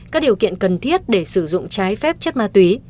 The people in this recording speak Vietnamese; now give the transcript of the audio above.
các điều kiện cần thiết để sử dụng trái phép chất ma túy